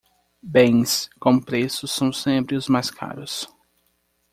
Bens com preços são sempre os mais caros.